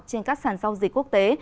trên các sản giao dịch quốc tế